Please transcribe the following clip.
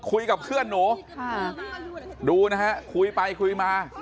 คุยกับเพื่อนหนูค่ะดูนะฮะคุยไปคุยมา